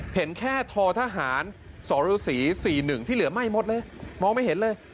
เห็นแค่ทอทหารส่อริวสีสี่หนึ่งที่เหลือไหม้หมดเลยมองไม่เห็นเลย